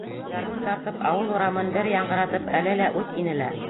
Гармун тартып ауыл урамын бер яңғыратып әле лә үт ине лә.